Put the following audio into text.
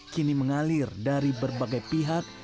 kini mengalir dari berbagai pihak